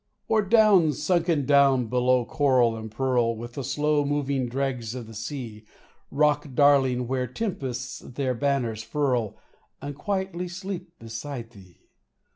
Or down, sunken down below coral and pearl, With the slow moving dregs of the sea, Rock darkling where tempests their banners furl And quietly sleep beside thee